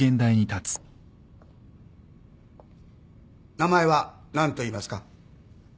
名前は何といいますか？